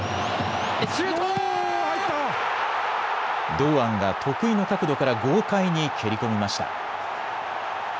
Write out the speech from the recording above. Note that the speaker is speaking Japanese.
堂安が得意の角度から豪快に蹴り込みました。